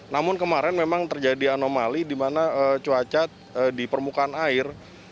namun kemarin memang terjadi anomali di mana cuaca di permukaan air